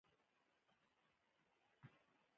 معماري یې پنځه طلایي ګنبدونه لري.